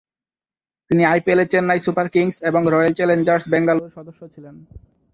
তিনি আইপিএলে Chennai super kings এবং রয়্যাল চ্যালেঞ্জার্স ব্যাঙ্গালোর সদস্য ছিলেন।